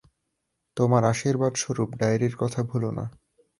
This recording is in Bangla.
তোমার আশির্বাদস্বরূপ ডায়েরির কথা ভুলো না।